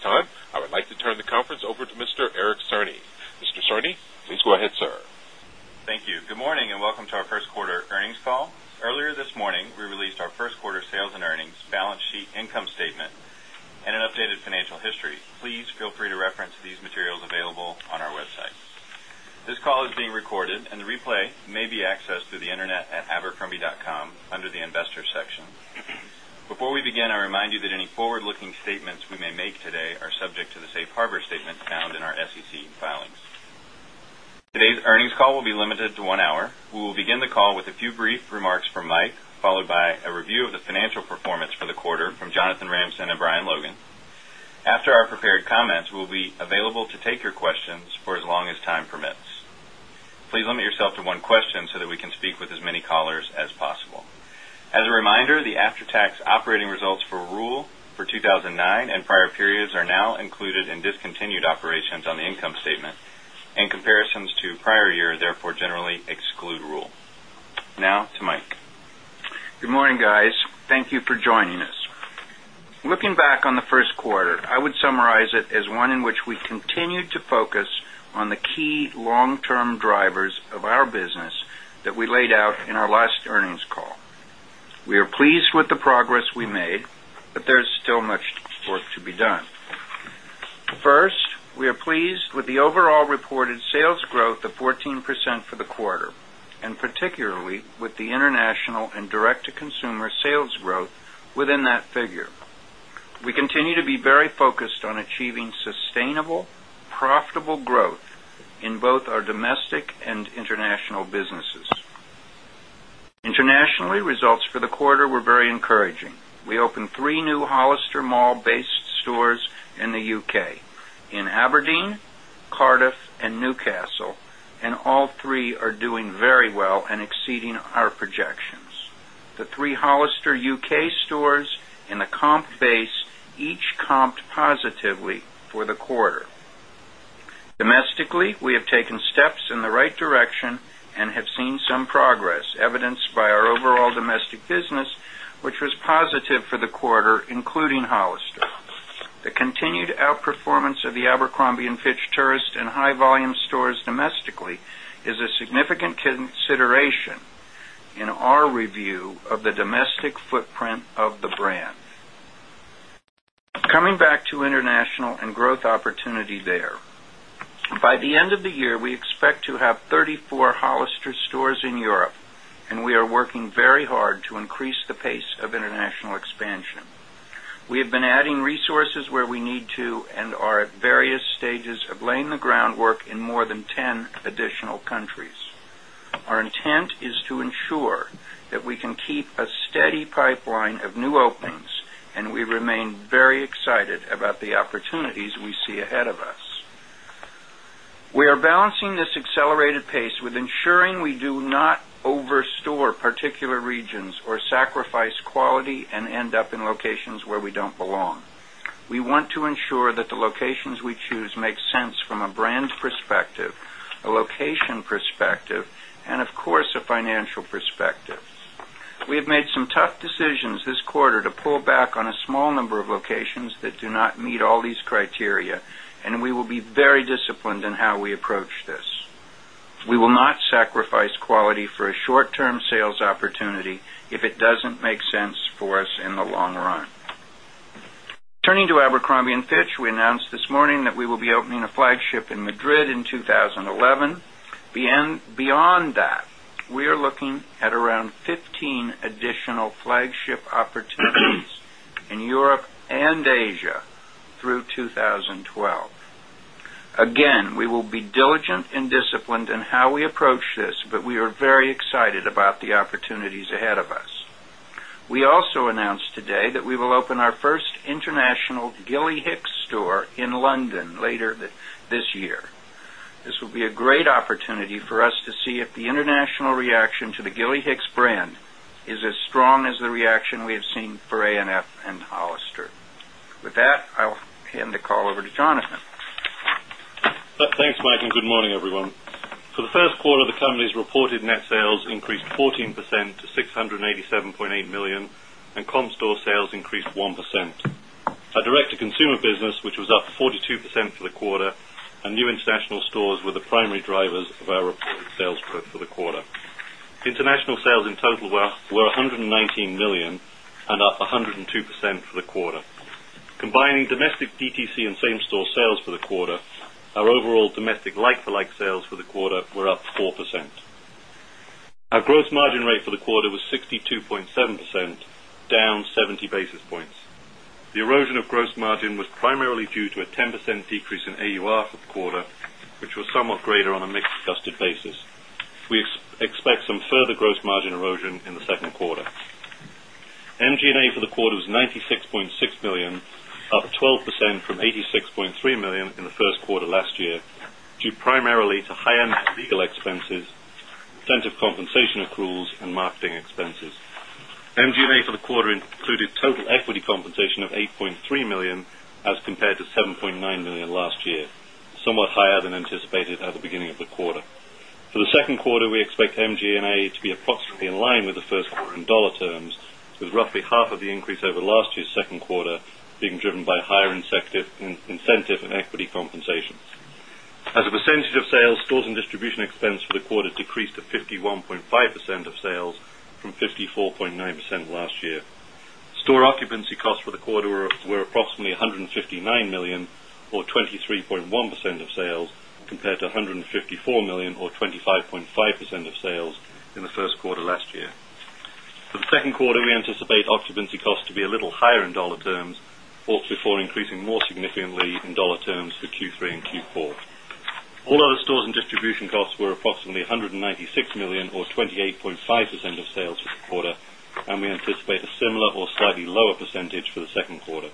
This time, I would like to turn the conference over to Mr. Eric Cerny. Mr. Cerny, please go ahead, sir. Thank you. Good morning, and welcome to our Now to Mike. Good morning, guys. Thank you for joining us. Looking back on the Q1, I would summarize it as one in which we continue to focus on the key long term drivers of our business that we laid out in our last earnings call. We are pleased with the progress we made, but there We continue to be very focused on achieving sustainable, profitable growth in both our domestic and international businesses. Internationally, results for the quarter were very encouraging. We opened 3 new Hollister Mall based stores in the U. K, in Aberdeen, Cardiff and Newcastle, and all three are doing very well and exceeding our projections. The 3 Hollister U. K. Stores in the comp base each comped positively for the quarter. Domestically, we have taken steps in the right direction and have seen some progress evidenced by our overall domestic business, which was positive for the quarter, including Hollister. The continued outperformance of the Abercrombie and Fitch Tourist and high volume stores domestically is a significant consideration in our review of the domestic footprint of the brand. Coming back to international and growth opportunity there. By the end of the year, we expect to have 34 Hollister stores in Europe and we are working very hard to to increase the pace of international expansion. We have been adding resources where we need to and are at various stages of laying the groundwork in more than 10 additional countries. Our intent is to ensure that we can keep a steady pipeline of new openings and we remain very excited about the opportunities we see ahead of us. We are balancing this accelerated pace with ensuring we do not overstore particular regions or sacrifice quality and end up in locations where we don't belong. We want to ensure that the locations we choose make sense from a brand perspective, a location perspective and of course, a financial perspective. We have made some tough decisions this quarter to pull back on a small number of locations that do not meet all these criteria and we will be very disciplined in how we approach this. We will not sacrifice quality for a short term sales opportunity if it doesn't make sense for us in the long run. Turning to Abercrombie and Fitch, we announced this morning that we will be opening a flagship in Madrid in 2011. Beyond that, we are looking at around 15 additional flagship opportunities in Europe and Asia through 2012. Again, we will diligent and disciplined in how we approach this, but we are very excited about the opportunities ahead of us. We also announced today that we will open our 1st international Gilly Hicks store in London Gilly Hicks store in London later this year. This will be a great opportunity for us to see if the international reaction to the Gilly Hicks brand is as strong as the reaction we have seen for A and F and Hollister. With that, I'll hand the call over to Jonathan. Thanks, Mike, and good morning, everyone. For the Q1, the company's reported net sales increased 14% to $687,800,000 and comp store sales increased 1%. Our direct to consumer which was up 42% for the quarter and new international stores were the primary drivers of our reported sales growth for the quarter. International sales in total were $119,000,000 and up 102% for the quarter. A 102% for the quarter. Combining domestic DTC and same store sales for the quarter, our overall domestic like for like sales for the quarter were up 4%. Our gross margin rate for the quarter was 62.7 percent, down seventy basis points. The erosion of gross margin was primarily due to a 10% decrease in AUR for the quarter, which was somewhat greater on a mix adjusted basis. We expect some further gross margin erosion in the 2nd quarter. MG and A for the quarter was 90 $6,600,000 up 12 percent from $86,300,000 in the Q1 last year, due primarily to higher net legal expenses, incentive compensation accruals and marketing expenses. MG and A for the quarter included total equity compensation of $8,300,000 as compared to $7,900,000 last year, somewhat higher than anticipated at the beginning of the quarter. For the Q2, we expect MG and A to be approximately in line with the Q1 in dollar terms, which was roughly half of the increase over last year's Q2 being driven by higher incentive and equity compensation. As a percentage of sales, stores and distribution expense for the quarter decreased to 51.5 percent of sales from 50 point 9 percent last year. Store occupancy costs for the quarter were approximately $159,000,000 or 23.1 percent of sales compared to $154,000,000 or 25.5 percent of sales in the Q1 last year. For the Q2, we anticipate occupancy costs to be a little higher in dollar terms, also for increasing more significantly in dollar terms for Q3 and Q4. All other stores and distribution costs were approximately $196,000,000 or 28.5 percent of sales for the quarter, and we anticipate a similar or slightly lower percentage for the Q2.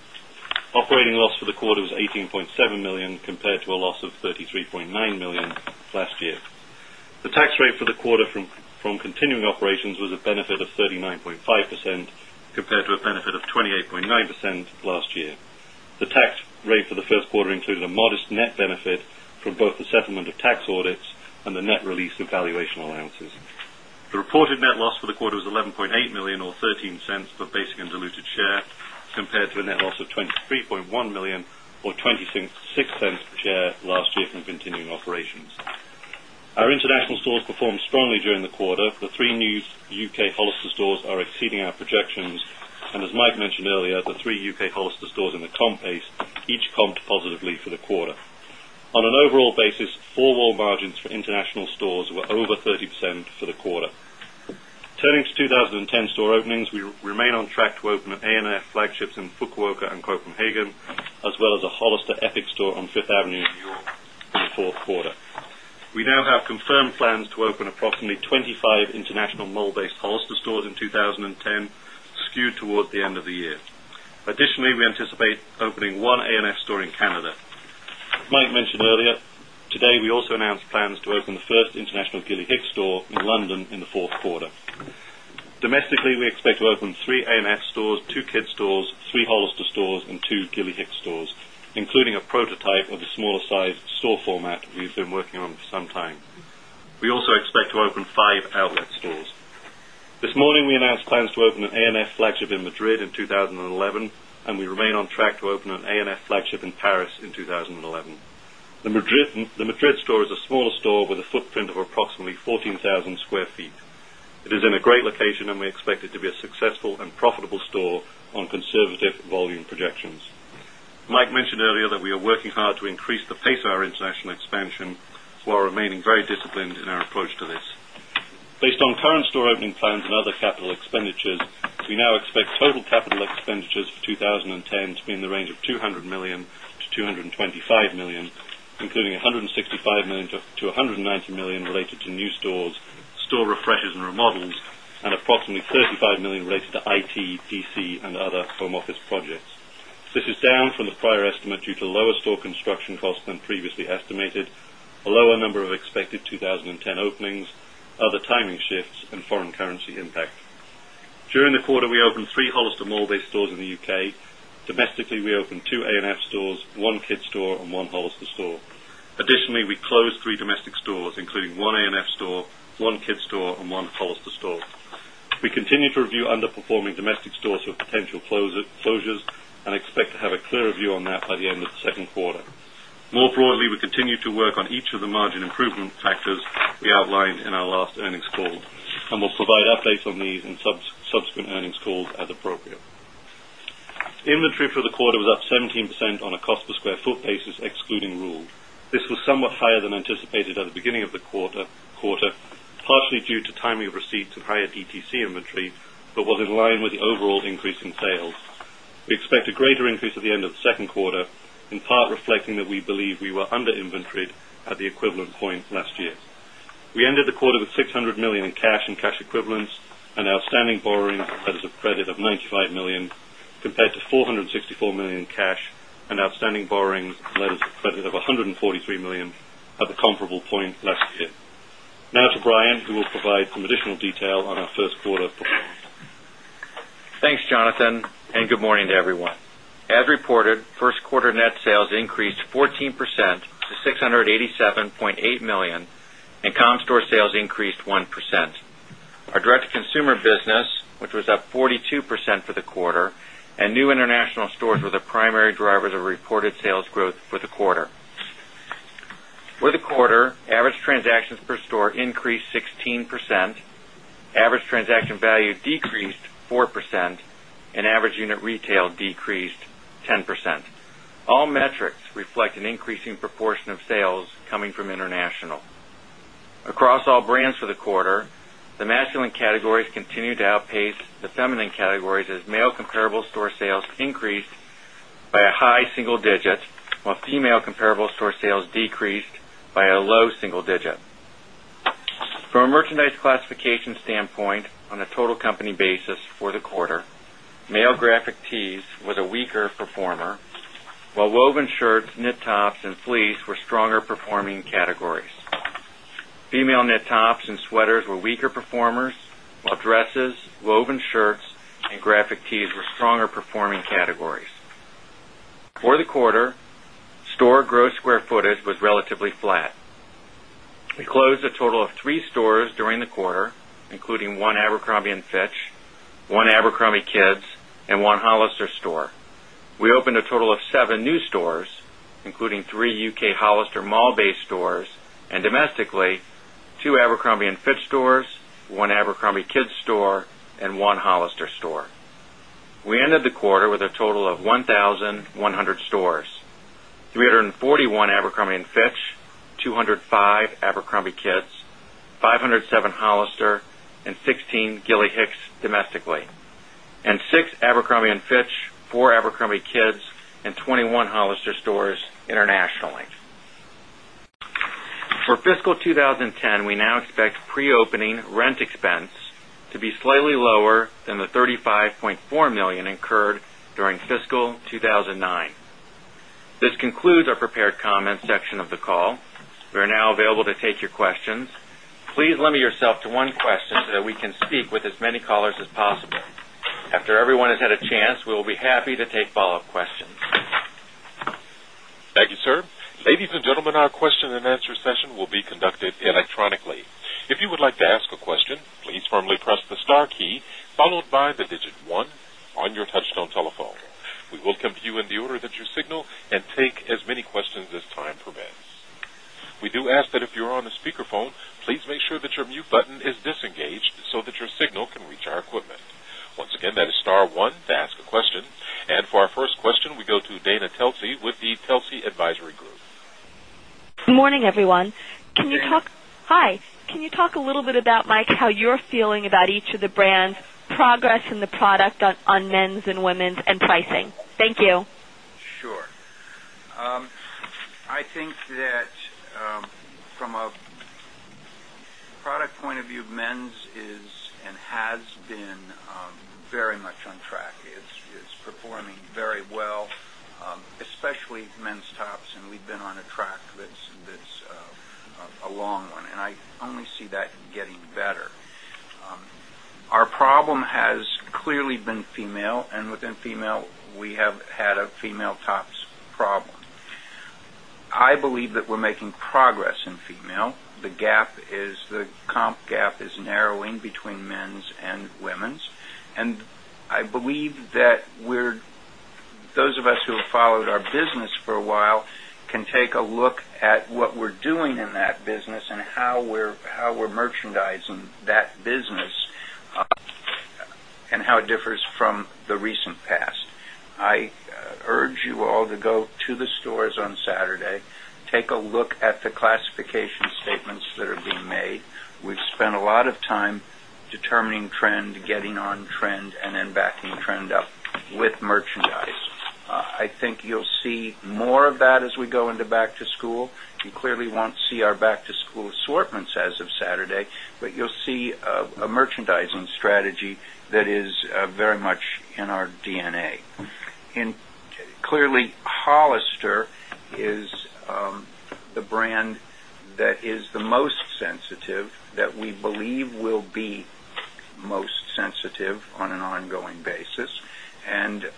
Operating loss for the quarter was $18,700,000 compared to a loss of $33,900,000 last year. The tax rate for the quarter from continuing operations was a benefit of 39.5 percent compared to a 39.5 percent compared to a benefit of 28.9 percent last year. The tax rate for the Q1 included a modest net benefit from both the settlement of tax audits and the net release of valuation allowances. The reported net loss for the quarter was $11,800,000 or $0.13 per basic and diluted share compared to a net loss of $23,100,000 or $0.26 per share last year from continuing operations. Our international stores performed strongly during the quarter. The new U. K. Hollister stores are exceeding our projections. And as Mike mentioned earlier, the 3 U. K. Hollister stores in the comp base each comped positively for the quarter. On an overall basis, 4 wall margins for international stores were over 30% for the quarter. Turning to 2010 store openings, we remain on track to open an A and F flagships in Fukuoka and Copenhagen, as well as a Hollister Epic store on Fifth Avenue in New York in the 4th quarter. We now have confirmed plans to open approximately 25 international mall based Hollister stores in 2010, skewed towards the end of the year. Additionally, we anticipate opening 1 A and F store in Canada. As Mike mentioned earlier, today we also announced plans to open the 1st international Gilly Hicks store in London in Q4. Domestically, we expect to open 3 AMS stores, 2 kids stores, 3 Hollister stores and 2 Gilly Hicks stores, including a prototype of the smaller size store format we've been working on for some time. We also expect to open 5 outlet stores. This morning, we announced plans to open an A and F flagship in Madrid in 2011 and we remain on track to open an A and F flagship in Paris in 2011. The Madrid store is a smaller store with a footprint of approximately 14,000 square feet. It is in a great location and we expect it to be a successful and profitable store on conservative volume projections. Mike mentioned earlier that we are working hard to increase the pace of our international expansion, while remaining very disciplined in our approach to this. Based on current store opening plans and other capital expenditures, we now expect total capital expenditures for 2010 to be in the range of €200,000,000 to €225,000,000 including $165,000,000 to $190,000,000 related to new stores, store refreshes and remodels and approximately $35,000,000 related to IT, PC and other home office projects. This is down from the prior estimate due to lower store construction costs than previously estimated, a lower number of expected 2010 openings, other timing shifts and foreign currency impact. During the quarter, we opened 3 Hollister Mall based stores in the UK. Domestically, we opened 2 A and F stores, 1 kids store and 1 Hollister store. Additionally, we closed 3 domestic stores, including 1 A and F store, 1 kids store and 1 Hollister store. We continue to review underperforming domestic stores with potential closures and expect to have a clearer view on that by the end of the Q2. More broadly, we continue to work on each of the margin improvement factors we outlined in our last earnings call, and we'll provide updates on these in subsequent earnings call as appropriate. Inventory for the quarter was up 17% on a cost per square foot basis, excluding rules. This was somewhat higher than anticipated at the beginning of the quarter, partially due to timing of receipts and higher DTC inventory, but was in line with the overall increase in sales. We expect a greater increase at the end of the second quarter, in part reflecting that we believe we were under inventoried at the equivalent point last year. We ended the quarter with $600,000,000 in cash and cash equivalents and outstanding borrowing letters of credit of $95,000,000 compared to $464,000,000 in cash and outstanding borrowing letters of credit of $143,000,000 at dollars at the comparable point last year. Now to Brian, who will provide some additional detail on our Q1 performance. Thanks, Jonathan, and good morning to everyone. As reported, 1st quarter net sales increased 14% to 687 point $8,000,000 and comp store sales increased 1%. Our direct to consumer business, which was up 42% for the quarter and new international stores were the primary drivers of reported sales growth for the quarter. For the quarter, average transactions per store increased 16%, average transaction value decreased 4%, and average unit retail decreased 10%. All metrics reflect an increasing proportion of sales coming from international. Across all brands for the quarter, the masculine categories continue to outpace the feminine categories as male comparable store sales increased by a high single digit, while female comparable store sales decreased by a low single digit. From a merchandise classification standpoint, on a total company basis for the quarter, male graphic tees was a weaker performer, while woven shirts, knit tops and fleece were stronger performing categories. Female knit tops and sweaters were weaker performers, while dresses, woven shirts and graphic tees were stronger performing categories. For the quarter, store gross square footage was relatively flat. We closed a total of 3 stores during the quarter, including 1 Abercrombie and Fitch, 1 Abercrombie Kids and 1 Hollister store. We opened a total of 7 new stores, including 3 U. Hollister Mall based stores and domestically 2 Abercrombie and Fitch stores, 1 Abercrombie Kids store and 1 Hollister store. We ended the quarter with a total of 1100 stores, 3 41 Abercrombie and Fitch, 205 Abercrombie Kids, 507 Hollister and 16 Gilly Hicks domestically and 6 Abercrombie and Fitch, 4 Abercrombie Kids and 21 Hollister Stores internationally. For fiscal 2010, we now expect pre opening rent expense to be slightly lower than the $35,400,000 incurred during fiscal 2,009. This concludes our prepared comments section of the call. We are now available to take your questions. Please limit yourself to one question so that we can speak with as many callers as possible. After everyone has had a chance, we will be happy to take follow-up questions. Thank you, sir. Ladies and gentlemen, our question and answer session will be conducted electronically. And for our first question, we go to Dana Telsey with the Telsey Advisory Group. Good morning, everyone. Can you talk a little bit about Mike, how you're feeling about each of the brands progress in the product on men's and women's and pricing? Thank you. Sure. I think that from a product point of view, men's is and has been very much on track. It's performing very well, especially men's tops and we've been on a track that's a long one and I only see that getting better. Our problem has clearly been female and within female we have had a female tops problem. I believe that we're making progress in female. The gap is the comp gap is narrowing between men's and women's. And I believe that we're those of us who have followed our business for a while can take a look at what we're doing in that business and how we're merchandising that business and how it differs from the recent past. I urge you all to go to the stores on Saturday, take a look at the classification statements that are being made. We've spent a lot of time determining trend, getting on trend and then backing trend up with merchandise. I think you'll see more of that as we go into back to school. You clearly won't see our back to school assortments as of Saturday, but you'll see a merchandising strategy that is very much in our DNA. A merchandising strategy that is very much in our DNA. And clearly Hollister is the brand that is the most sensitive that we believe will be most sensitive on an ongoing basis. And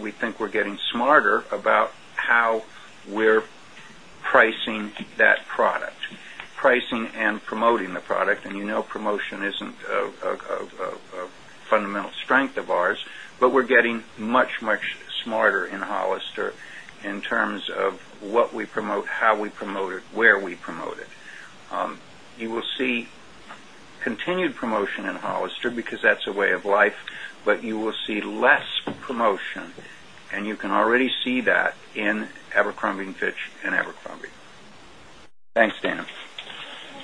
we think we're getting smarter about how we're pricing that product, pricing and promoting the product. And you know promotion isn't a fundamental strength of ours, but we're getting much, much smarter in Hollister in terms of what we promote, how we promote it, where we promote it. You will see continued promotion in Hollister because that's a way of life, but you will see less promotion and you can already see that in Abercrombie and Fitch and Abercrombie. Thanks, Dana.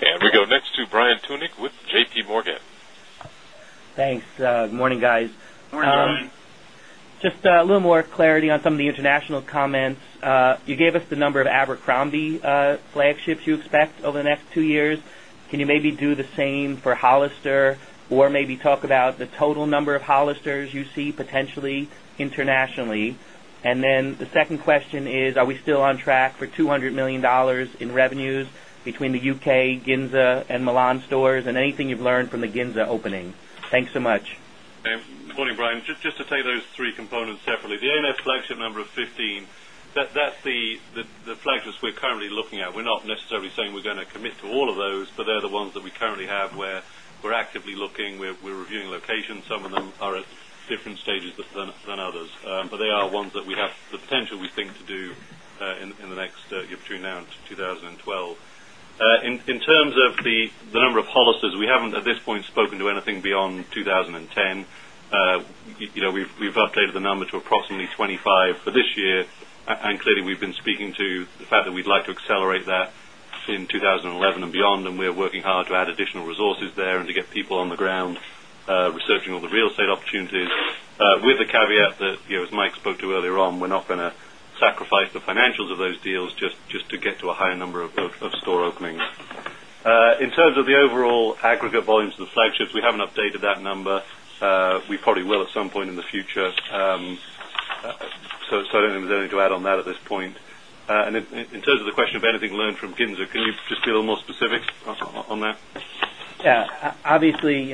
And we go next to Brian Tunic with JPMorgan. Thanks. Good morning, guys. Good morning, Brian. Just a little more clarity on some of the international comments. You gave us the number of Abercrombie flagships you expect over the next 2 years. Can you maybe do the same for Hollister or maybe talk about the total number of Hollister's you see potentially internationally? And then the second question is, are we still on track for $200,000,000 in revenues between the U. K. Ginza and Milan stores and anything you've learned from the Ginza opening? Thanks so much. Good morning, Brian. Just to take those three components separately. The AMS flagship number of 15, that's the flagships we're currently looking at. We're not necessarily saying we're going to commit to all of those, but they're the ones that we currently have where we're actively looking, we're reviewing locations, some of them are at different stages than others. But they are ones that we have the potential we think to do in the next between now and 2012. In terms of the number of Hollister's, we haven't at this point spoken to anything beyond 2010. We've updated the number to approximately 25 for this year. And clearly, we've been speaking to the fact that we'd like to accelerate that in 2011 beyond, and we are working hard to add additional resources there and to get people on the ground researching all the real estate opportunities with the caveat that, as Mike spoke to earlier on, we're not going to sacrifice the financials of those deals just to get to a higher number of store openings. In terms of the overall aggregate volumes of the flagships, we haven't updated that number. We probably will at some point in the future. So, certainly, there's anything to add on that at this point. And In terms of the question of anything learned from Ginza, can you just be a little more specific on that? Yes. Obviously,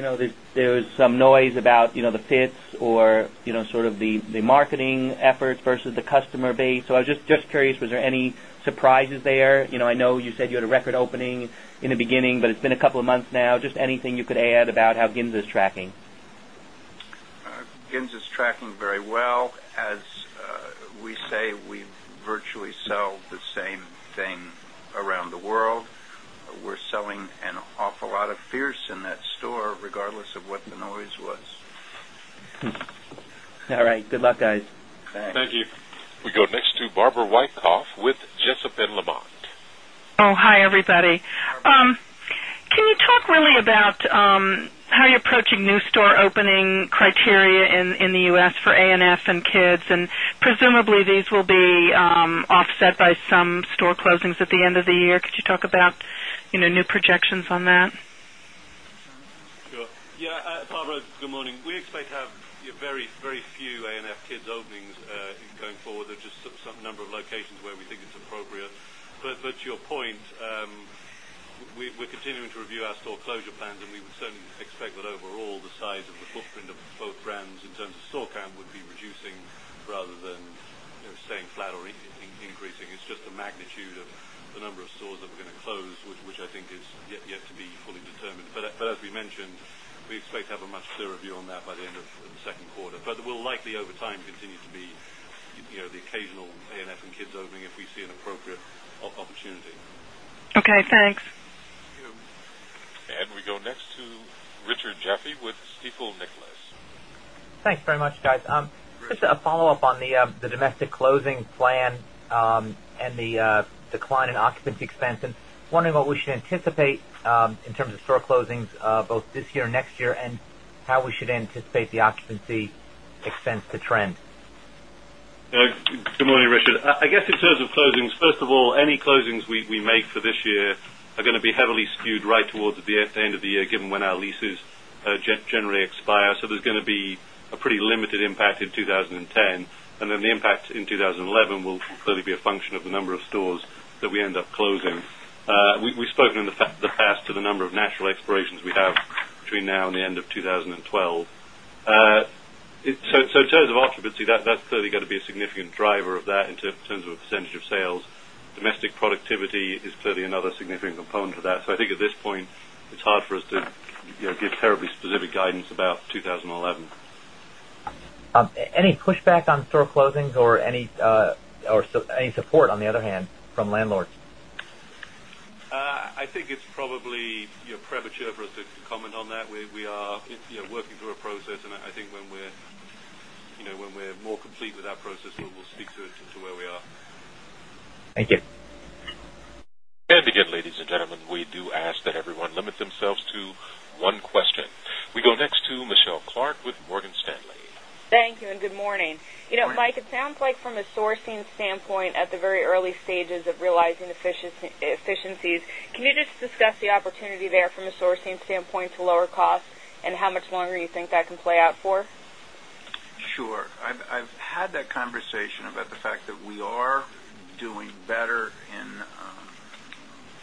there was some noise about the fits or sort of the marketing efforts versus the customer base. So I was just curious, was there any surprise there? I know you said you had a record opening in the beginning, but it's been a couple of months now. Just anything you could add about how Ginza is tracking? Ginza is tracking very well. As we say, we virtually sell the same thing around the world. We're selling an awful lot of Fierce in that store regardless of what the noise was. All We go next to Barbara Weitkoff with Jessup and Lamont. Can you talk really about how you're approaching new store opening criteria in the U. S. For A and F and kids? And presumably, these will be offset by some store closings at the end of the year. Could you talk about new projections on that? Sure. Yes. Pablo, good morning. We We expect to have very, very few A and F Kids openings going forward. There are just some number of locations where we think it's appropriate. But to your point, we're continuing to review our store closure plans and we would certainly expect that all the size of the footprint of both brands in terms of store count would be reducing rather than staying flat or increasing. It's just the magnitude of the number of stores that we're going to close, which I think is yet to be fully determined. But as we mentioned, we expect to have a much clearer view on that by the end of the Q2. But we'll likely over time continue to be the occasional A and F and kids opening if we see an appropriate opportunity. And we go next to Richard Jaffe with Stifel Nicolaus. Just a follow-up on the domestic closing plan and the decline in occupancy expense and wondering what we should anticipate in terms of store closings both this year and next year and how we should anticipate the occupancy expense to trend? Good morning, Richard. I guess in terms of closings, first of all, any closings we make for this year are going to be heavily skewed right towards the end of the year given when our leases generally expire. So there's going to be a pretty limited impact in 20 10. And then the 10. And then the impact in 2011 will clearly be a function of the number of stores that we end up closing. We've spoken in the past to the number of natural expirations we have between now and the end of 2012. So in terms of occupancy, that's clearly got be a significant driver of that in terms of percentage of sales. Domestic productivity is clearly another significant component to that. So I think at this point, it's hard for us to give terribly specific guidance about 20 11. Any pushback on store closings or any support on the other hand from landlords? I think it's probably premature for us to comment on that. We are working through a process and I think when we're more complete with that process, we will speak to where we are. Thank you. We go next to Michelle Clark with Morgan Stanley. Thank you and good morning. Mike, it sounds like from a sourcing standpoint at the very early stages of realizing efficiencies, can you just discuss the opportunity there from a sourcing standpoint to lower costs and how much longer you think that can play out for? Sure. I've had that conversation about the fact that we are doing better in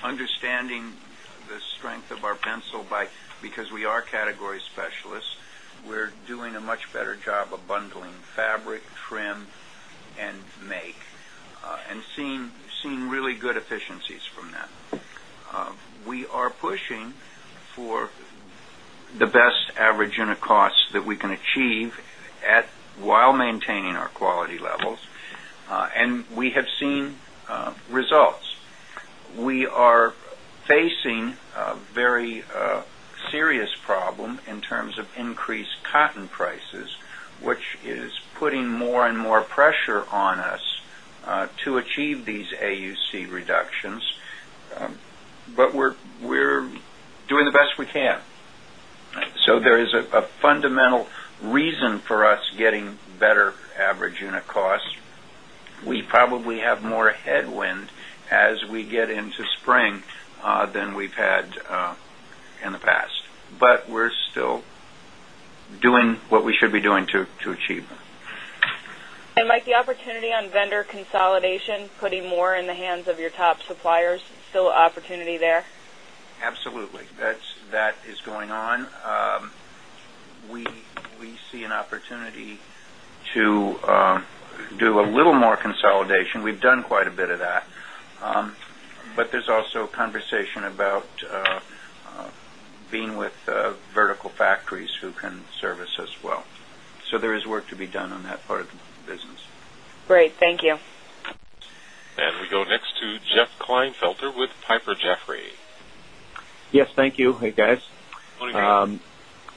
understanding the strength of our pencil by because we are category specialists. We're doing a much better job of bundling fabric, trim and make and seeing really good efficiencies from that. We are pushing for the best average unit costs that we can achieve at while maintaining our quality levels. And we have seen results. We are facing a very serious problem in terms of increased cotton prices, which is putting more and more pressure on us to achieve these AUC reductions, but we're doing the best we can. So there is a fundamental reason for us getting better average unit costs. We probably have more headwind as we get into spring than we've had in the past, but we're still doing what we should be doing to achieve. And Mike, the opportunity on vendor consolidation putting more in the hands of your top suppliers, still opportunity there? Absolutely. That is going on. We see an opportunity to do a little more conversation about being with vertical factories who can service us well. So there is work to be done on that part of the business. Great. Thank you. And we go next to Jeff Kleinfelter with Piper Jaffray. Yes. Thank you. Hi, guys.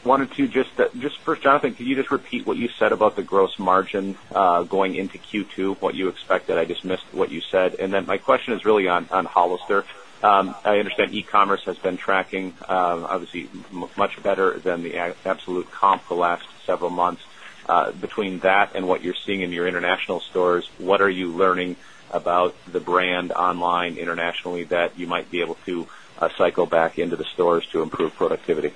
Wanted to just first, Jonathan, could you just repeat what you said about the gross margin going into Q2, what you expected? I just missed what you said. And then my question is really on Hollister. I understand e commerce has been tracking obviously much better than the absolute comp the last several months. Between that and what you're seeing in your international stores, what are you learning about the brand online internationally that you might be able to cycle back into the stores to improve productivity?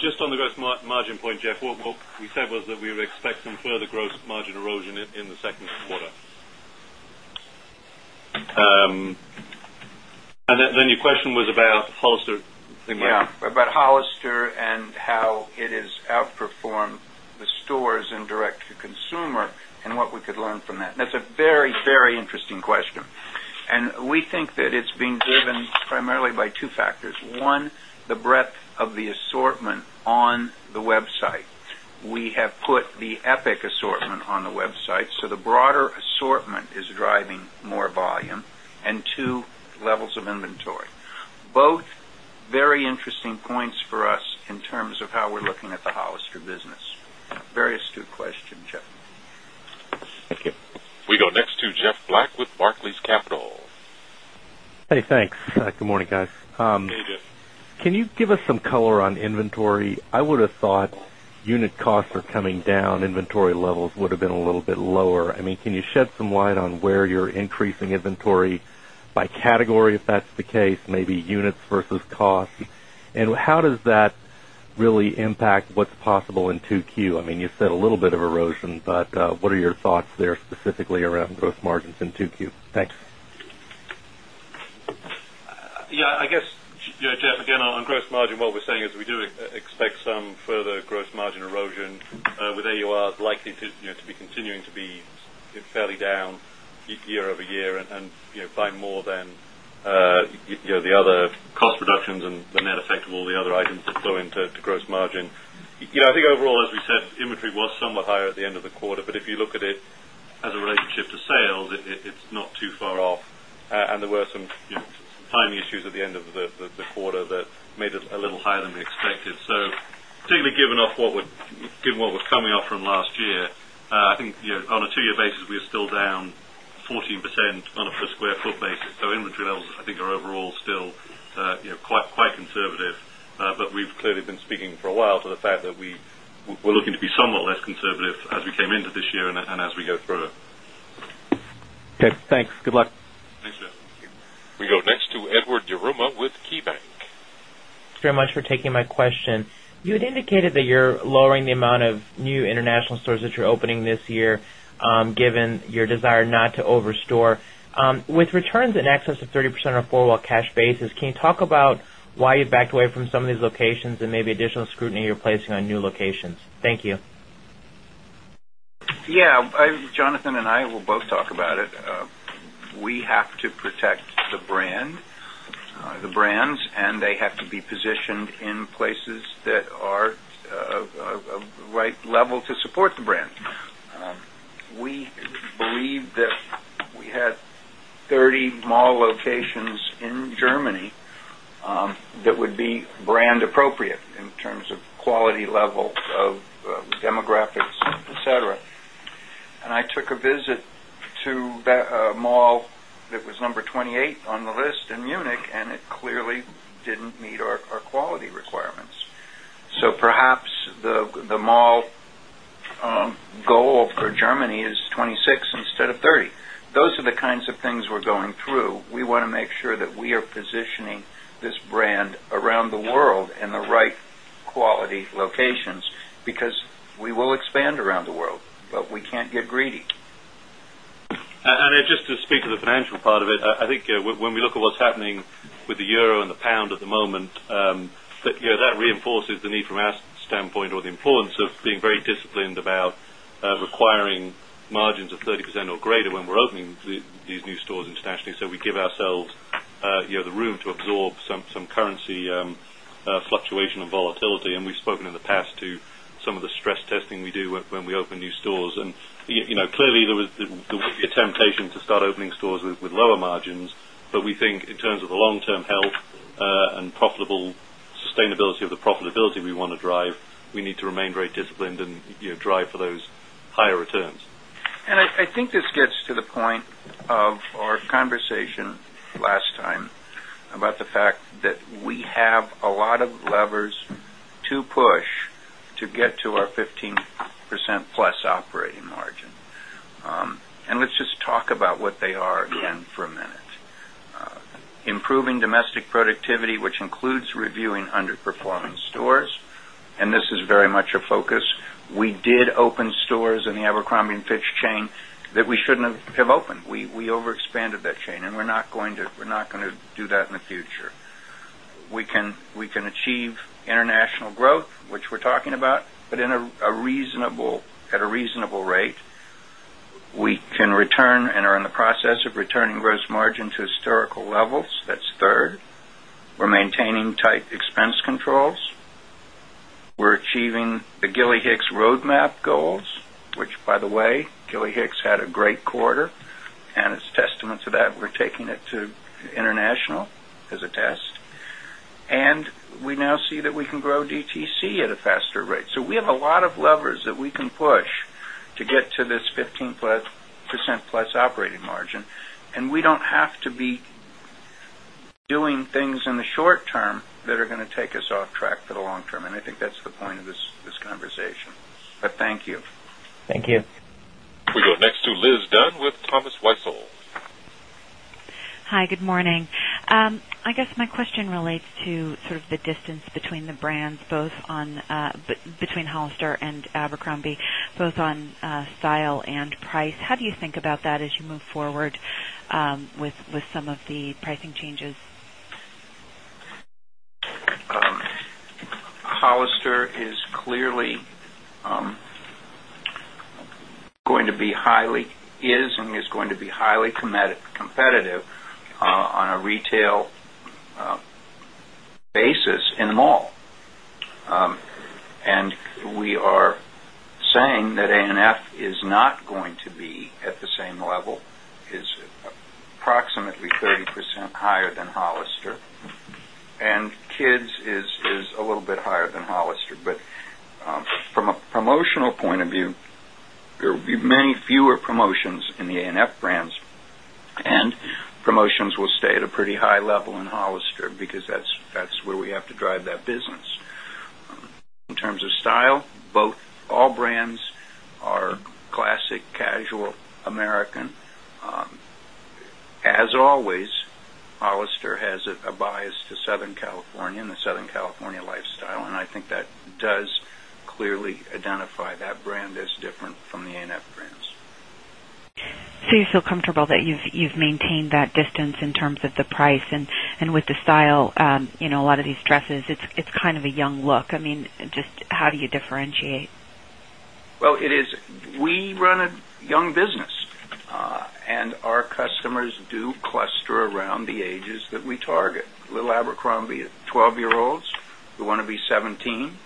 Just on the gross margin point, Jeff, what we said was that we would expect some further gross margin erosion in the second quarter. And then your question was about Hollister. Yes, about Hollister and how it has outperformed the stores and direct to consumer and what we could learn from that. And that's a very, very interesting question. And we think that it's being driven primarily by 2 factors. 1, the breadth of the assortment on the website. We have put the Epic assortment on the website. So the broader assortment is driving more volume and 2 levels of inventory. Both very interesting points for us in terms of how we're looking at the Hollister business. Very astute question, Jeff. Thank you. We go next to would have been a little bit lower. I mean, can you shed some light on where you're increasing inventory by category if that's the case, maybe units versus costs? And how does that really impact what's possible in I mean, you said a little bit of erosion, but what are your thoughts there specifically around gross margins in 2Q? Thanks. Yes. I guess, Jeff, again, on gross margin, what we're saying is we do expect some further gross margin erosion with AURs likely to be continuing to be fairly down year over year and by more than the other cost reductions and the net effect of all the other items that flow into gross margin. Margin. I think overall, as we said, inventory was somewhat higher at the end of the quarter. But if you look at it as a relationship to sales, it's not too far off. And there were some timing issues at the end of the quarter that made it a little higher than we expected. So, particularly given off what was coming off from last year, I think on a 2 year basis, we are still down 14% on a per square foot basis. So, inventory levels, I think, are overall still quite conservative. But we've clearly been speaking for a while to the fact that we're looking to be somewhat less conservative as we came into this year and as we go through. Okay. Thanks. Good luck. Thanks, Jeff. We go next to Edward Yruma with KeyBanc. Thanks very much for taking my question. You had indicated that you're lowering the amount of new international stores that you're opening this year, given your desire not to over store. With returns in excess of 30% of 4 wall cash basis, can you talk about why you backed away from some of these locations and maybe additional scrutiny you're placing on new locations? Thank you. Yes. Jonathan and I will both talk about it. We have to protect the brand, the brands and they have to be positioned in places that are right level to support the brand. We believe that we had 30 mall locations in Germany that would be brand appropriate in terms of quality level of demographics, etcetera. And I took a visit to a mall that was number 28 on the list in Munich and it clearly didn't meet our quality requirements. So perhaps the mall goal for Germany is 26 instead of 30. Those are the kinds of things we're going through. We want to make sure that we are positioning this brand around the world in the right quality locations because we will expand around the world, but we can't get greedy. And just to speak to the financial part of it, I think when we look at what's happening with the euro and the pound at the moment, that reinforces the need from standpoint or the importance of being very disciplined about requiring margins of 30% or greater when we're opening these new stores internationally. So we give ourselves the room to absorb some currency fluctuation of volatility. And we've spoken in the past some of the stress testing we do when we open new stores. And clearly, there will be a temptation to start opening stores with lower margins. But we think in terms of the long term health and profitability of the profitability we want to drive, we need to remain very disciplined and drive for those higher returns. And I think this gets to the point of our conversation last time about the fact that we have a lot of levers to push to get to our 15% plus operating margin. And let's just talk about what they are again for a minute. Improving domestic productivity, which includes reviewing underperforming stores, and this is very much a focus. We did open stores in the Abercrombie and Fitch chain that we shouldn't have opened. We overexpanded that chain and we're not going to do that in the future. We can achieve international growth, which we're talking about, but at a reasonable rate. We can return and are in the process of returning gross margin to historical levels, that's 3rd. We're maintaining tight expense controls. We're achieving the Gilly Hicks roadmap goals, which by the way, Gilly Hicks had a great quarter and it's testament to that. We're taking it to international as a test. And we now see that we can grow DTC at a faster rate. So we have a lot of levers that we can push to get to this 15 percent plus operating margin. And we don't have to be doing things in the short term that are going to take us off track for the long term. And I think that's the point of this conversation. But thank you. Thank you. We go next to Liz Dunn with Thomas Weisel. Hi, good morning. I guess my question relates to sort of the distance between the brands both on between Hollister and Abercrombie, both on style and price. How do you think about that as you move forward with some of the pricing changes? Hollister is clearly going to be highly is and is going to be highly competitive on a retail basis in the mall. And we are saying that A F is not going to be at the same level, is approximately 30% higher than Hollister. And kids is a little bit higher than Hollister. But from a promotional point of view, there will be many fewer promotions in the A and F brands. And promotions will stay at a pretty high level in Hollister because that's where we have to drive that business. In terms of style, both all brands are classic casual American. As always, Hollister has a bias to Southern California and the Southern California lifestyle and I think that does clearly identify that brand is different from the A and F brands. Okay. Identify that brand is different from the A and F brands. So you feel comfortable that you've maintained that distance in terms of the price and with the style, a lot of these dresses, it's kind of a young look. I mean, just how do you differentiate? Well, it is we run a young business, and our customers do cluster around the ages that we target. Little Abercrombie, 12 year olds, who want to be 17,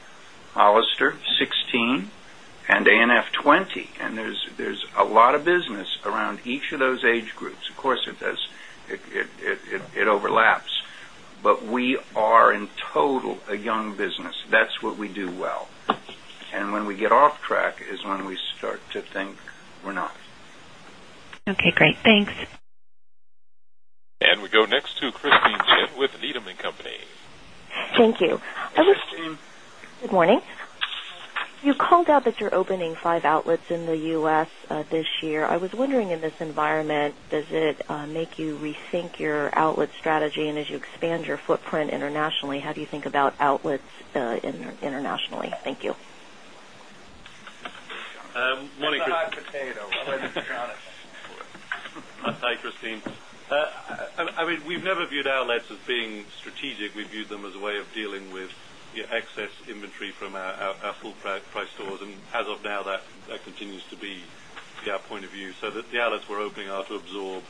Hollister, 16 and ANF 20. And there's a lot of business around each of those age groups. Of course, it does it overlaps. But we are in total a young business. That's what we do well. And when we get off track is when we start to think we're not. Okay, great. Thanks. And we go next to Christine Cho with Needham and Company. Thank you. Good morning. You called out that you're opening 5 outlets in the U. S. This year. I was wondering in this environment, does it make you rethink your outlet strategy? And as you expand your footprint internationally, how do you think about outlets internationally? Thank you. Good morning, Chris. Good morning, Chris. Hi, Christine. I mean, we've never viewed outlets as being strategic. We viewed them as a way of dealing with excess inventory from our full price stores. And as of now, that continues to be our point of view. So that the outlets we're opening are to absorb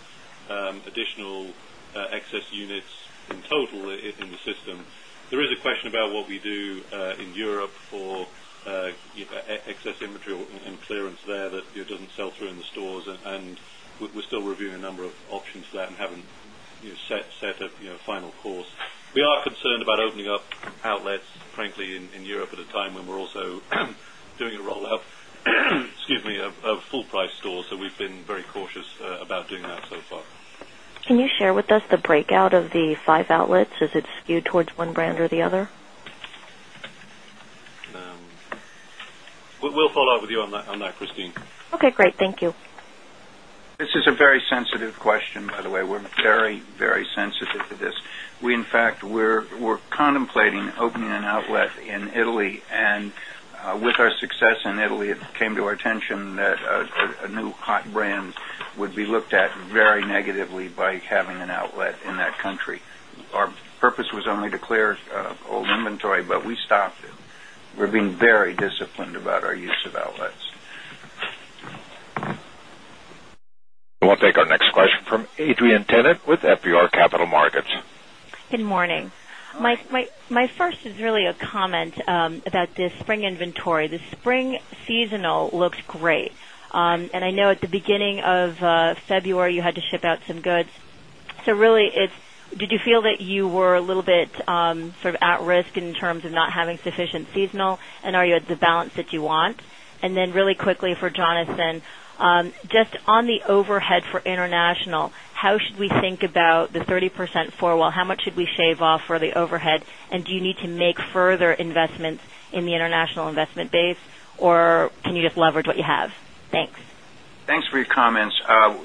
additional excess units in total in the system. There is a question about what we do in Europe for excess inventory and clearance there that doesn't sell through in the stores and we're still reviewing a number of options for that and haven't set a final course. We are concerned about opening up outlets, frankly, in Europe at a time when we're also doing a rollout of full price stores. So, we've been very cautious about doing that so far. Can you share with us the breakout of the five outlets as it's skewed towards one brand or the other? We'll follow-up with you on that, Christine. Okay, great. Thank you. This is a very sensitive question, by the way. We're very, very sensitive to this. We in fact were contemplating opening an outlet in Italy. And with our success in Italy, it came to our attention that a new hot brand would be looked at very negatively by having an outlet in that country. Our purpose was only to clear old inventory, but we stopped. We're being very disciplined about our use of outlets. We'll take our next question from Adrienne Tennant with FBR Capital Markets. Good morning. My first is really a comment about the spring inventory. The spring seasonal looks great. And I know at the beginning of February you had to ship out some goods. So really it's did you feel that you were a little bit sort of at risk in terms of not having sufficient seasonal? And are you at the balance that you want? And then really quickly for Jonathan, just on the overhead for international, how should we think about the 30% 4 well? How much should we shave off for the overhead? And do you need to make further investments in the international investment base? Or can you just leverage what you have? Thanks. Thanks for your comments.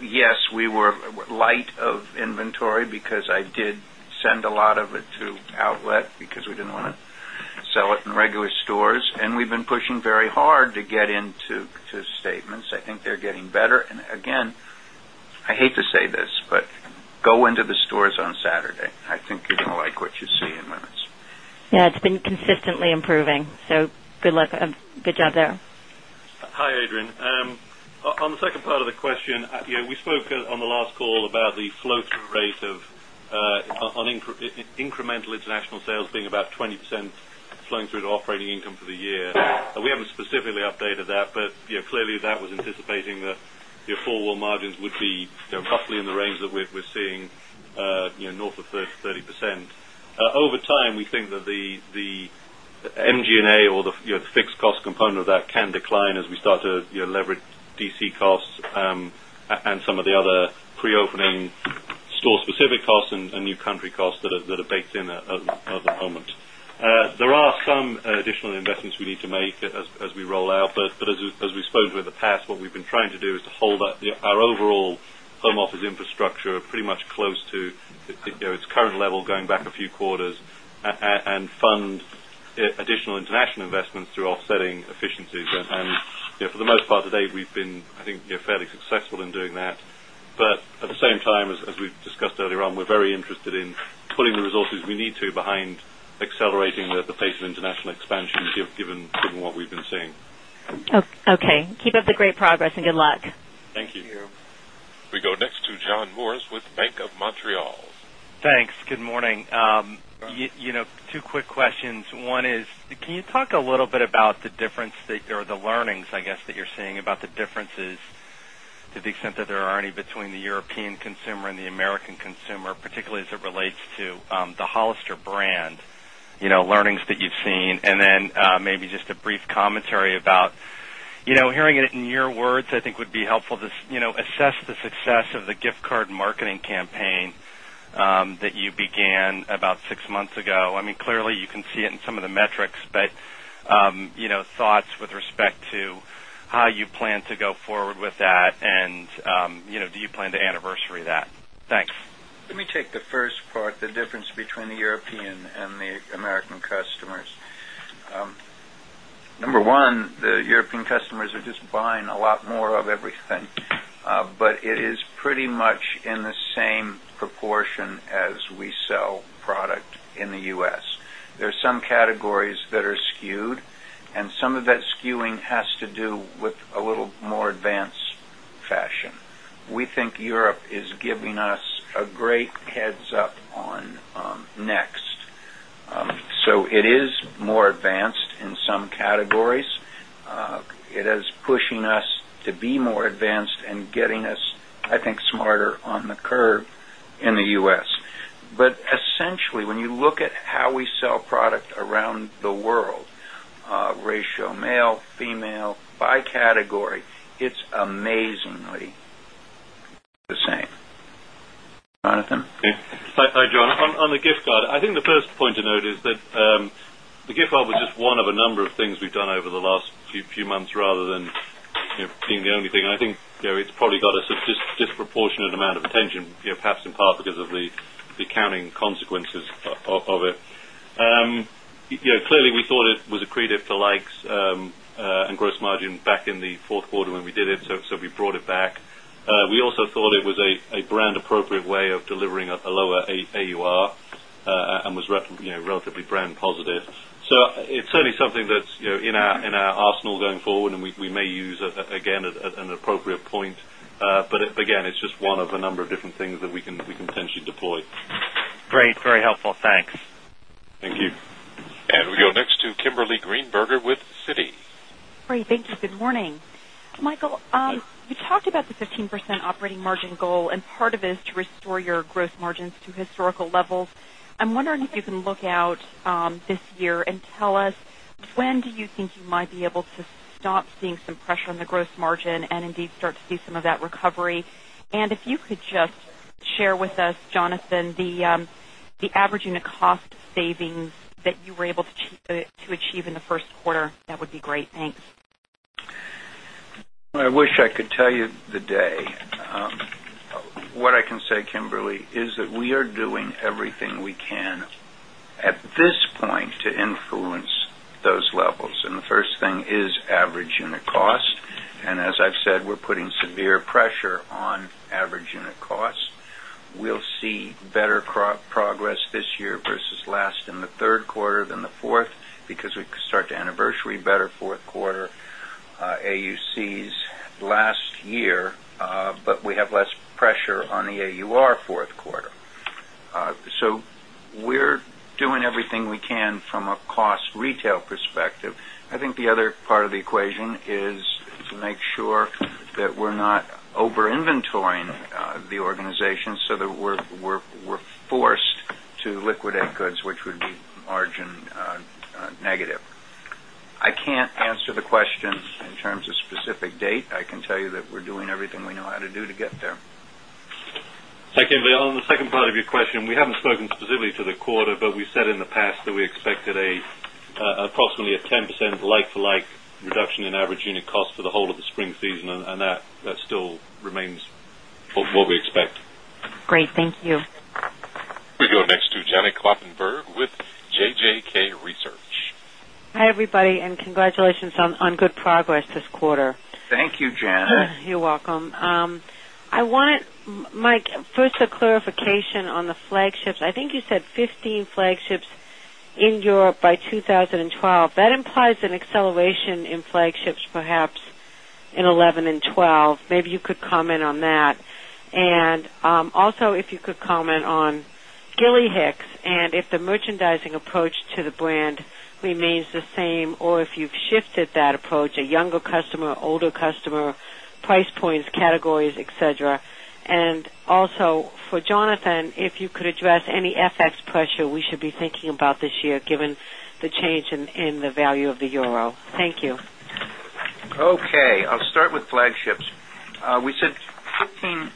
Yes, we were light of inventory because I did send a lot of it to outlet because we didn't want to sell it in regular stores and we've been pushing very hard to get into statements. I think they're getting better. And again, I hate to say this, but go into the stores on Saturday. I think you're going to like what you see in women's. Yes, it's been consistently improving. So good luck. Good job there. Hi, Adrian. On the second part of the question, we spoke on the last call about the flow through rate of on incremental international sales being about 20% flowing through to operating income for the year. We haven't specifically updated that, but clearly that was anticipating the full margins would be in the range that we're seeing north of 30%. Over time, we think that the MG and A or the fixed cost component of that can decline as we start to leverage DC costs and some of the other pre opening store specific costs and new country costs that are baked in at the moment. There are some additional investments we need to make as we roll out. But as we spoke with the past, what we've been trying to do is to hold our overall home office infrastructure pretty much close to its current level going back a few quarters and fund additional international investments through offsetting efficiencies. And for the most part today, we've been, I think, fairly successful in doing that. But at the same time, as we've discussed earlier on, we're very interested in pulling the resources we need to behind accelerating the pace of international expansion given what we've been seeing. Okay. Keep up the great progress and good luck. Thank you. We go next to John Moores with Bank of Montreal. Thanks. Good morning. Two quick questions. One is, can you talk a little bit about the learnings, I guess, that you're seeing about the differences to the extent that there are any between the European consumer and the American consumer, particularly as it relates to the Hollister brand, learnings that you've seen? And then maybe just a brief commentary about hearing it in your words, I think would be helpful to assess the success of the gift card marketing campaign that you began about 6 months ago. I mean, clearly, you can see it in some of the metrics, but thoughts with respect to how you plan to go forward with that and do you plan to anniversary that? Thanks. Let me take the first part, the difference between the European and the American customers. Number 1, the European customers are just buying a lot more of everything, but it is pretty much in the same proportion as we sell product in the U. S. There are some categories that are skewed and some of that skewing has to do with a little more advanced fashion. We think Europe is giving us a S. But S. But essentially, when you look at how we sell product around the world, ratio male, female, by category, it's amazingly the same. Jonathan? Hi, John. On the gift card, I think the first point to note is that the gift card was just one of a number of things we've done over the last few months rather than being the only thing. I think it's probably got us disproportionate amount of attention, perhaps in part because of the accounting consequences of it. Clearly, we thought it was accretive to likes and gross margin back in the Q4 when we did it. So, we brought it back. We also thought it was a brand appropriate way of delivering a lower AUR and was relatively brand positive. So it's certainly something that's in our arsenal going forward and we may use again at an appropriate point. But again, it's just one of a number of different things that we can potentially deploy. And we go next to Kimberly Greenberger with Citi. Michael, you talked about the 15 percent operating margin goal and part of it is to restore your gross margins to historical levels. I'm wondering if you can look out this year and tell us when do you think you might be able to stop seeing some pressure on the gross margin and indeed start to see some of that recovery? And if you could just share with us, Jonathan, the average unit cost savings that you were able to achieve in the Q1, that would be great. Thanks. I wish I could tell you the day. What I can say, Kimberly, is that we are doing everything we can at this point to influence those levels. And the first thing is average unit cost. And as I've said, we're putting severe pressure on average unit cost. We'll see better progress this year versus last in Q3 than the 4th because we could start to anniversary better Q4 AUCs last year, but we have less pressure on the AUR 4th quarter. So, we're doing everything we can from a cost retail perspective. I think the other part of the equation is to make sure that we're not over inventorying the organization so that we're forced to liquidate goods, which would be margin negative. I can't answer the question in terms of specific date. I can tell you that we're doing everything we know how to do to get there. Thank you, on the second part of your question, we haven't spoken specifically to the quarter, but we said in the past that we expected approximately a 10% like for like reduction in average unit cost for the whole of the spring season and that still remains what we expect. We go next to Janet Kloppenburg with JJK Research. Congratulations on good progress this quarter. Thank you, Janet. You're welcome. I wanted Mike, first a clarification on the flagships. I think you said 15 flagships in Europe by 2012. That implies an acceleration in flagships perhaps in 2011 and 2012. Maybe you could comment on that? And also if you could comment on Gilly Hicks and if the merchandising approach to the brand remains the same or if you've shifted that approach, a younger customer, older customer, price points, categories, etcetera? And also for Jonathan, if you could address any FX pressure we should be thinking about this year given the change in the value of the euro? Thank you. Okay. I'll start with flagships. We said 15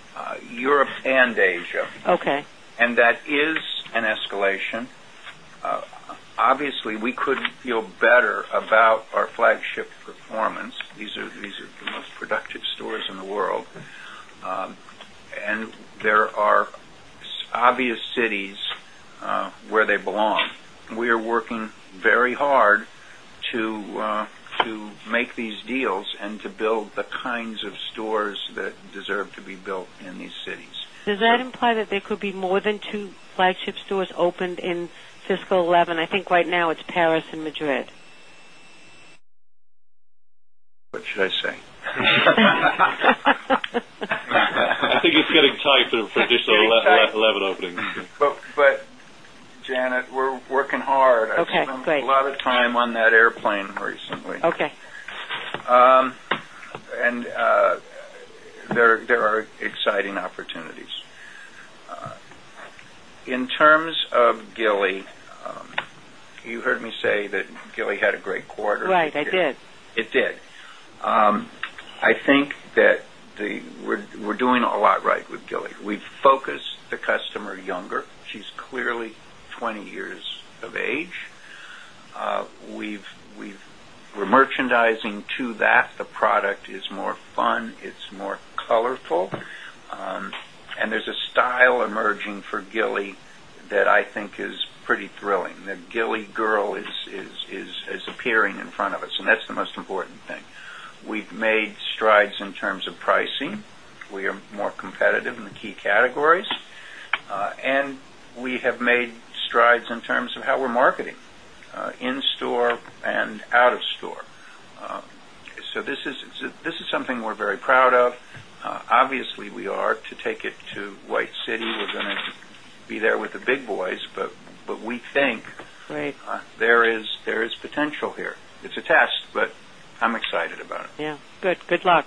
Europe and Asia. Okay. And that is an escalation. Obviously, we couldn't feel better about our flagship performance. These are the most productive stores in the world. And there are obvious cities where they belong. We are working very hard to make these deals and to build the kinds of stores that deserve to be built in these cities. Does that imply that there could be more than 2 flagship stores opened in fiscal 'eleven? I think right now it's Paris and Madrid. What should I say? I think it's getting tight for additional 11 openings. But Janet, we're working hard. Okay, great. I spent a lot of time on that airplane recently. Okay. And there are exciting opportunities. In terms of Gilly, you heard me say that Gilly had a great quarter. Right, it did. It did. I think that we're doing a lot right with Gilly. We've focused the customer younger. She's clearly 20 years of age. We're merchandising to that. The product is more fun. It's more colorful. And there's a style emerging for Gilly that I think is pretty thrilling. The Gilly girl is appearing in front of us and that's the most important thing. We've made strides in terms of pricing. We are more competitive in the key categories and we have made strides in terms of how we're marketing in store and out of store. So this is something we're very proud of. Obviously, we are to take it to White City. We're going to be there with the big boys, But we think there is potential here. It's a test, but I'm excited about it. Yes. Good luck.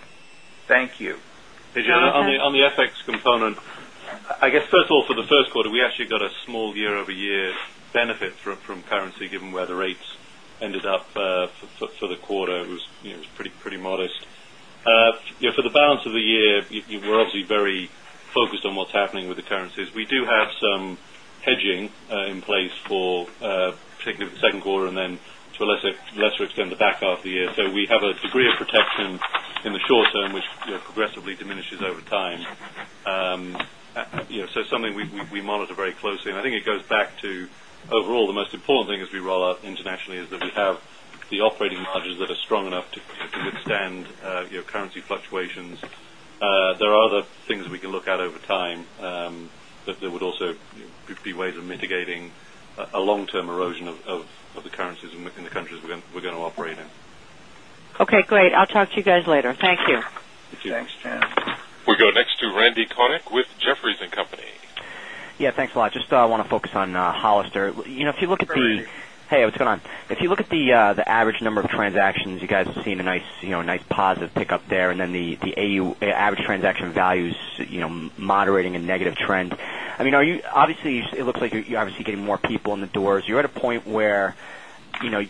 Thank you. Dejana, on the FX component, I guess, first of all, for the Q1, we actually got a small year over year benefit from currency given where the rates ended up for the quarter. It was pretty modest. For the balance of the year, we're obviously very focused on what's happening with the currencies. We do have some hedging in place for particularly the second quarter and then to a lesser extent the back half of the year. So we have a degree of protection in the short term, which progressively diminishes over time. So something we monitor very closely. And I think it goes back to overall, the most important thing as we roll out internationally is that we have the operating margins that are strong enough to withstand currency fluctuations. There are other things we can look at over time that there would also be ways of mitigating a long term erosion of the currencies in the countries we're going to operate in. Okay, great. I'll talk to you guys later. Thank you. Thanks, Jan. We go next to Randy Konik with Jefferies and Company. Yes, thanks a lot. Just want to focus on Hollister. If you look at the hey, what's going on? If you look at the average number of transactions, you guys have seen a nice positive pickup there and then the the AU average transaction values moderating a negative trend. I mean, are you obviously, it looks like you're obviously getting more people in the doors. You're at a point where you're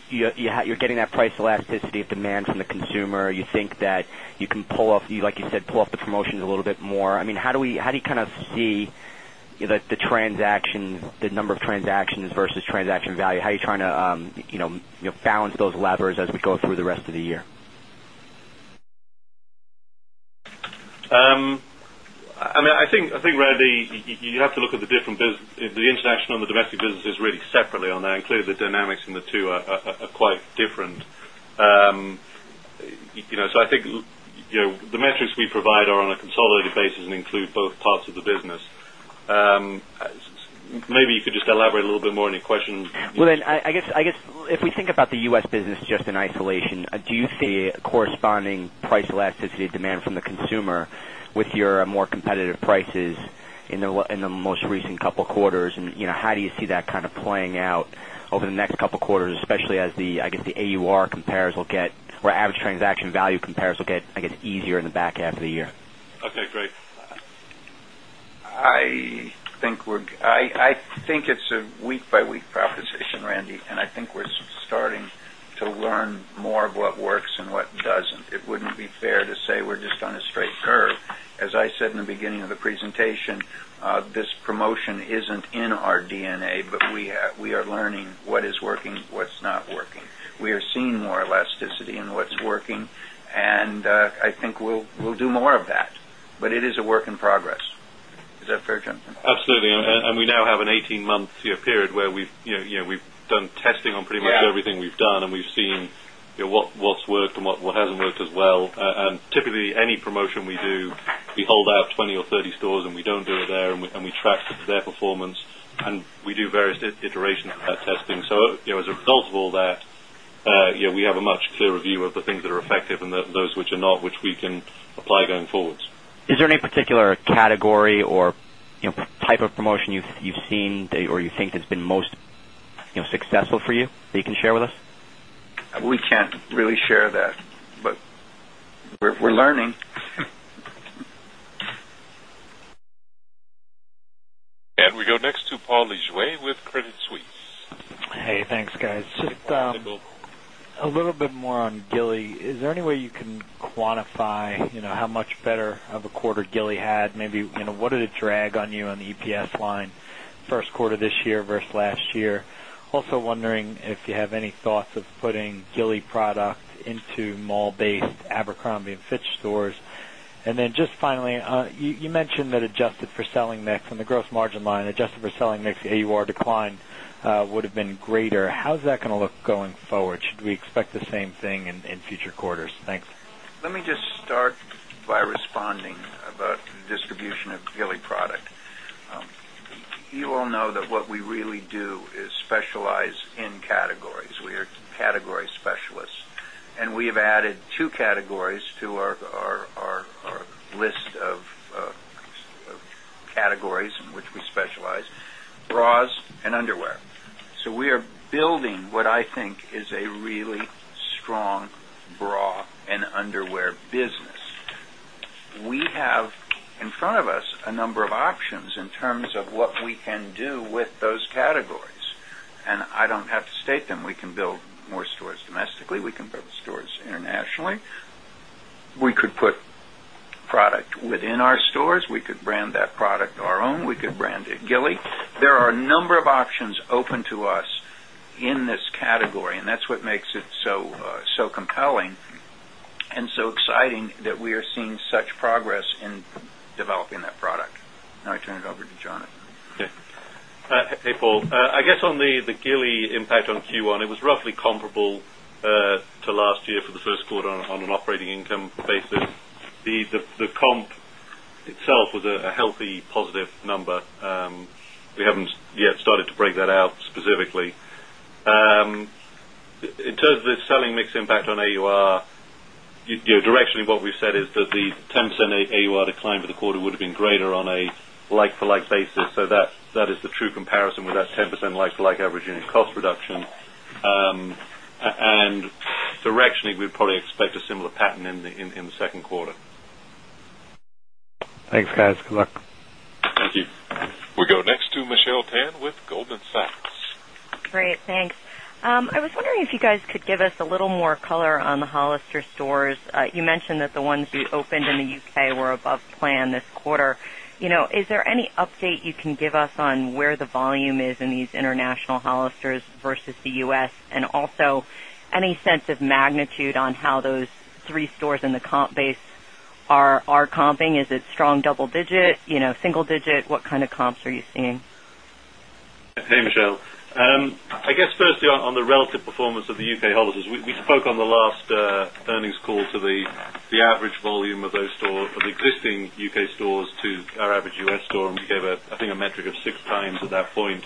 getting that price elasticity of demand from the consumer. You think that you can pull off, like you said, pull off the promotions a little bit more. I mean, how do we how do you kind of see the transactions, the number of transactions versus transaction value? How are you trying to balance those levers as we go through the rest of the year? I mean, I think, Randy, you have to look at the different business the international and the domestic business is really separately on that, and clearly the dynamics in the 2 are quite different. So I think the metrics we provide are on a consolidated basis and include both parts of the business. We provide are on a consolidated basis and include both parts of the business. Maybe you could just elaborate a little bit more on your question. Well, then I guess if we think about the U. S. Business just in isolation, do you see a corresponding price elasticity demand from the consumer with your more competitive prices in the most recent couple of quarters? And how do you see that kind of playing out over the next couple of quarters, especially as the I guess the AUR compares will get where average transaction value compares will get I guess easier in the back half of the year? Okay, great. I think it's a week by week I think it's a week by week proposition, Randy, and I think we're starting to learn more of what works and what doesn't. It wouldn't be fair to say we're just on a straight curve. As I said in the beginning of the presentation, this promotion isn't in our DNA, we have we are learning what is working, what's not working. We are seeing more elasticity in what's working. And I think we'll do more of that, but it is a work in progress. Is that fair, gentlemen? Absolutely. And we now have an 18 month period where we've done testing on pretty much everything we've done and we've seen what's worked and what hasn't worked as well. And typically any promotion we do, we hold out 20 or 30 stores and we don't do it there and we track their performance and we do various iterations of that testing. So as a result of all that, we have a much clearer view of the things that are effective and those which are not, which we can apply going forward. Is there any particular category or type of promotion you've seen or you think has been most successful for you that you can share with us? We can't really share that, but we're learning. And we go next to Paul Lejuez with Credit Suisse. Hey, thanks guys. Just a little bit more on Gilly. Is there any way you can quantify how much better of a quarter Gilly had? Maybe what did it drag on you on the EPS line Q1 this year versus last year? Also wondering if you have any thoughts of putting products into mall based Abercrombie and Fitch stores. And then just finally, you mentioned that adjusted for selling mix and the gross margin line adjusted for selling mix AUR decline would have been greater. How is that going to look going forward? Should we expect the same thing in future quarters? Thanks. Let me just start by responding about the distribution of Geely product. You all know that what we really do is specialize in categories. We are category specialists And we have added 2 categories to our list of categories in which we specialize, bras and underwear. So we are building what I think is a really strong bra and underwear business. We have in front of us a number of options in terms of what we can do with those categories. And I don't have to state them. We can build more stores domestically, we can build stores internationally, we could put product within our stores, we could brand that product to our own, we could brand it Gilly. There are a number of options open to us in this category and that's what makes it so compelling and so exciting that we are seeing such progress in developing that product. Now I turn it over to Jonathan. Paul, I guess on the Gilly impact on Q1, it was roughly comparable to last year for the Q1 on an operating income basis. The comp itself was a healthy positive number. We haven't yet started to break that out specifically. In terms of the selling mix impact on AUR, directionally what we've said is that the 10% AUR decline for the quarter would have been greater on a like for like basis. So that is the true comparison with that 10% like like average unit cost reduction. And directionally, we'd probably expect a similar pattern in the Q2. Thanks guys. Good luck. Thank you. We go next to Michelle Tan with Goldman Sachs. Great. Thanks. I was wondering if you guys could give us a little more color on the Hollister stores. You mentioned that the ones you opened in the U. K. Were above plan this quarter. Is there any update you can give us on where the volume is in these international Hollister's versus the U. S? And also any sense of magnitude on how those 3 stores in the comp base are comping? Is it double digit, single digit? What kind of comps are you seeing? Hey, Michelle. I guess, firstly, on the relative performance of the U. K. Holders, we spoke on the last earnings call to the average volume of those stores of existing U. K. Stores to our average U. S. Store and we gave, I think, a metric of 6x at that point.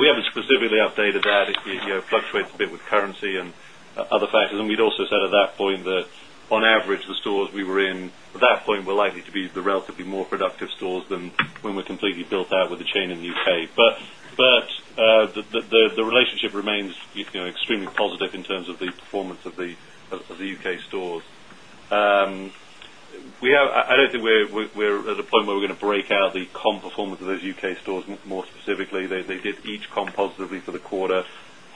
We haven't specifically updated that. It fluctuates a bit with currency and other factors. And we'd also said at that point that on average, the stores we were in, at that point, were likely to be the relatively more productive stores than when we completely built out with the chain in the UK. But the relationship remains extremely positive in terms of the performance of the in terms of the performance of the U. K. Stores. We have I don't think we're at a point where we're going to break out the comp performance of those U. K. Stores more specifically. They did each comp positively for the quarter.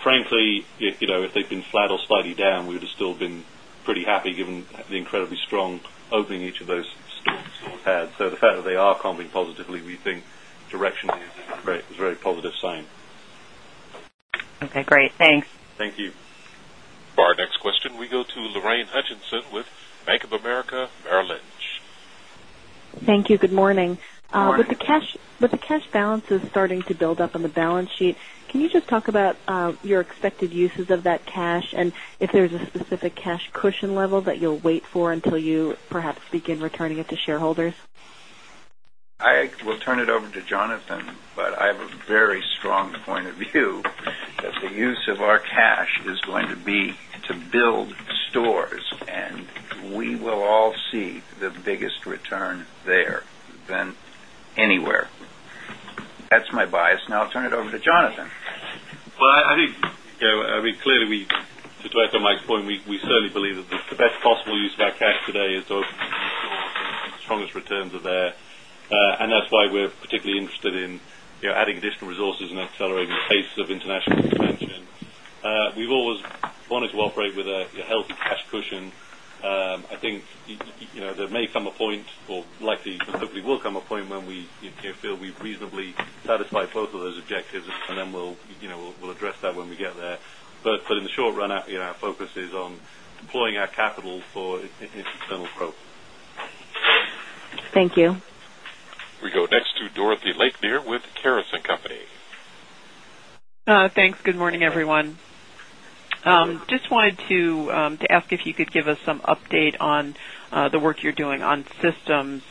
Frankly, if they've been flat or slightly down, we would have still been pretty happy given the incredibly strong opening each of those stores had. So the fact that they are comping positively, we think directionally is very positive sign. Okay, great. Thanks. Thank you. Our next question, we go to Lorraine Hutchinson with Bank of America Merrill Lynch. Thank you. Good morning. Good morning. With the cash balance starting to build up on the balance sheet, can you just talk about your expected uses of that cash and if there is a specific cash cushion level that you'll wait for until you perhaps begin returning it to shareholders? I will turn it over to Jonathan, but I have a very strong point of view that the use of our cash is going to be to build stores and we will all see the biggest return there than anywhere. That's my bias. Now, I'll turn it over to Jonathan. Well, I think, I mean, clearly, we to echo Mike's point, we certainly believe that the best possible use of our cash today is strongest returns are there. And that's why we're particularly interested in adding additional resources and accelerating the pace of international expansion. We've always wanted to operate with a healthy cash cushion. I think there may come a point or likely will come a point when we feel we've reasonably satisfied both of those objectives and then we'll address that when we get there. But in the short run, our focus is on deploying our capital for its internal growth. We go next to Dorothy Lakelier with Karas and Company. Just wanted to ask if you could give us some update on the work you're doing on systems,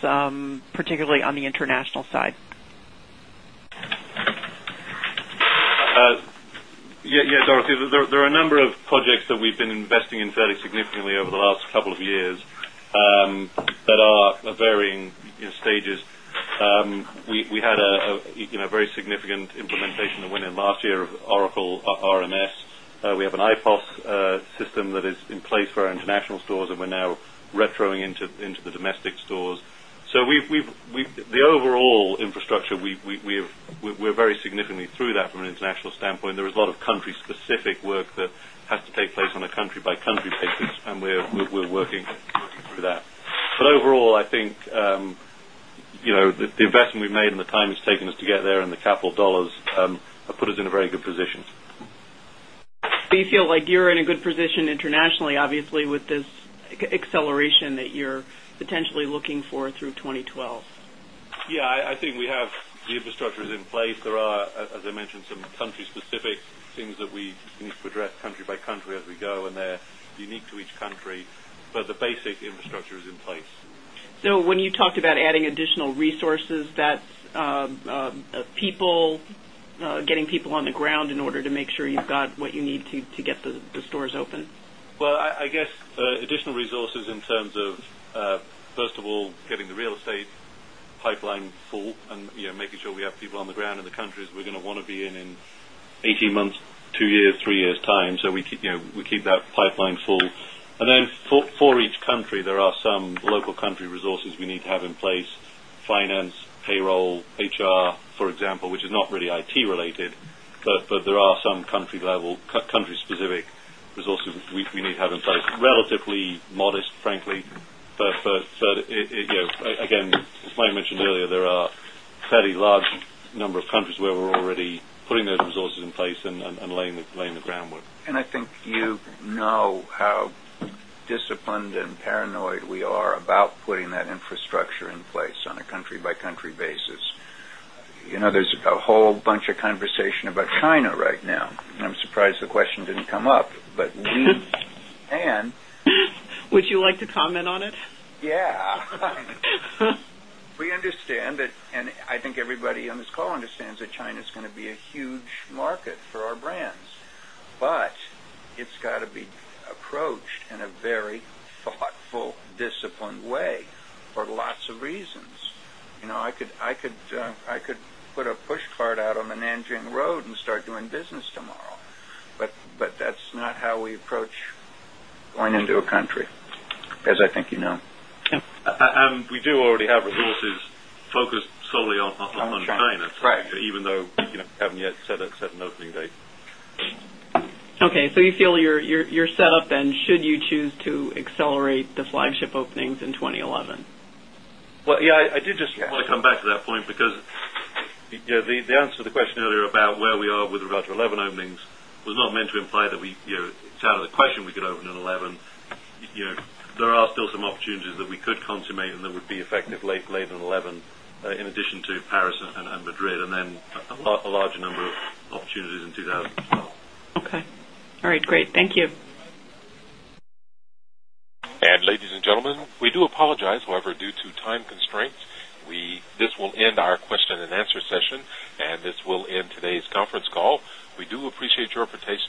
particularly on the international side? Yes, Dorothy. There are a number of projects that we've been investing in fairly significantly over the last couple of years that are varying stages. We had a very significant implementation that went in last year of Oracle RMS. We have an IPOS system that is in place for our international stores and we're now retroing into the domestic stores. So, the overall infrastructure, we're very significantly through that from an international standpoint. There is a lot of country specific work that has to take place on a country by country basis and we're working through that. But overall, I think the investment we've made and the time it's taken us to get there and the capital dollars have put us in a very position. Do you feel like you're in a good position internationally, obviously, with this acceleration that you're potentially looking for through 2012? Yes. I think we have the infrastructure is in place. There are, as I mentioned, some country specific things that we need to address country by country as we go and they're unique to each country, but the basic infrastructure is in place. So when you talked about adding additional resources, that's people getting people on the ground in order to make sure you've got what you need to get the stores open? Well, I guess additional resources in terms of, first of all, getting the real estate pipeline full and making sure we have people on the ground in the countries we're going to want to be in 18 months, 2 years, 3 years' time. So we keep that pipeline full. And then for each country, there are some local country resources we need to have in place, finance, payroll, HR, for example, which is not really IT related, but there are some country level country specific resources we need to have in place, relatively modest, frankly. But again, as I mentioned earlier, there are fairly large number of countries where we're already putting those resources in place and laying the groundwork. And I think you know how paranoid we are about putting that infrastructure in place on a country by country basis. There's a whole bunch of conversation about China right now. I'm surprised the question didn't come up, but we and Would you like to comment on it? Yes. We understand that and I think everybody on this call understands that China is going to be a huge market for our brands. But it's got to be approached in a very thoughtful, disciplined way for lots of reasons. I could put a pushcart out on the Nanjing Road and start doing business tomorrow. But that's not how we approach going into a country as I think you know. We do already have resources focused solely on China, even though we haven't yet set an opening date. Okay. So you feel you're set up then should you choose to accelerate the flagship openings in 2011? Well, yes, I did just want to come back to that point because the answer to the question earlier about where we are with earlier about where we are with regard to 11 openings was not meant to imply that we it's out of the question we could open in 2011. There are still some opportunities that we could consummate and that would be effective late in 2011 in addition to Paris and Madrid and then a larger number of opportunities in 20 12. Okay. All right, great. Thank you. And ladies and gentlemen, we do apologize, however, due to time constraints. This will end our question and answer session and this will end today's conference call. We do appreciate your participation.